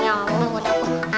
yang nomor dua tuh